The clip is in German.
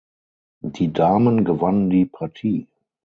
Die Damen gewannen die Partie.